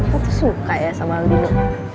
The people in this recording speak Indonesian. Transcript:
aku tuh suka ya sama aldino